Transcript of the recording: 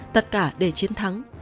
tất cả để chiến thắng